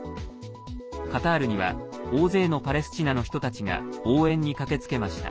カタールには大勢のパレスチナの人たちが応援に駆けつけました。